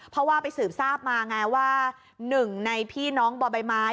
เพราะว่าไปสืบทราบมาไงว่าหนึ่งในพี่น้องบ่อใบไม้